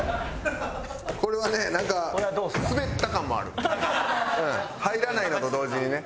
これはねなんか入らないのと同時にね。